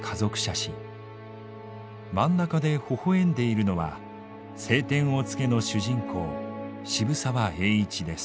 真ん中でほほえんでいるのは「青天を衝け」の主人公渋沢栄一です。